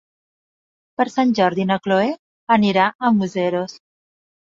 Per Sant Jordi na Chloé anirà a Museros.